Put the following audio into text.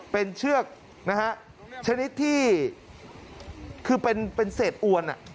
เป็นเชือกนะฮะชนิดที่คือเป็นเศษอวน